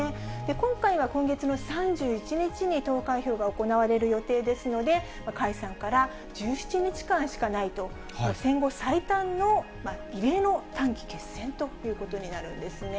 今回は今月の３１日に投開票が行われる予定ですので、解散から１７日間しかないと、戦後最短の異例の短期決戦ということになるんですね。